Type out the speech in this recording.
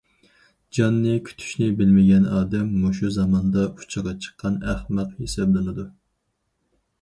جاننى كۈتۈشنى بىلمىگەن ئادەم مۇشۇ زاماندا ئۇچىغا چىققان ئەخمەق ھېسابلىنىدۇ.